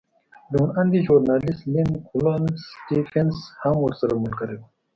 روڼ اندی ژورنالېست لینک ولن سټېفنس هم ورسره ملګری و.